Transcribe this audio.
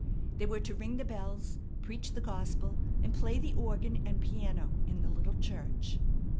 They were to ring the bells, preach the gospel and play the organ and piano in the little church.